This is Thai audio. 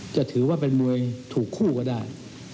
จะถือว่าเป็นมวยถูกคู่ก็ได้